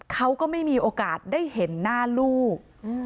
เขาก็ไม่มีโอกาสได้เห็นหน้าลูก